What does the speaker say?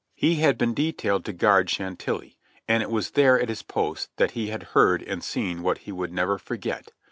He had been detailed to guard Chantilly, and it was there at his post that he had heard and seen what he would never forget.